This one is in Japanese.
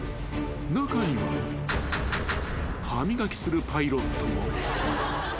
［中には歯磨きするパイロットも］